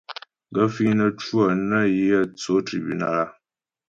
Gaə̂ fíŋ nə́ cwə nə yə̂ tsó tribúnal a ?